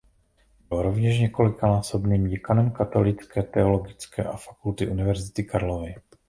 Byl rovněž několikanásobným děkanem Katolické teologické fakulty Univerzity Karlovy.